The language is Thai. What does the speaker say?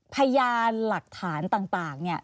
พยานหลักฐานต่างเนี่ย